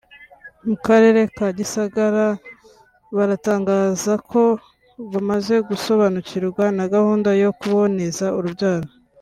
mu Karere ka Gisagara baratangaza ko bamaze gusobanukirwa na gahunda yo kuboneza urubyaro